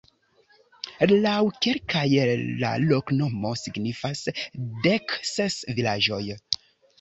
Laŭ kelkaj la loknomo signifas: dek ses vilaĝoj.